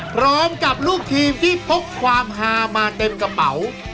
พร้อมกับลูกทีมที่พกความฮามาเต็มกระเป๋า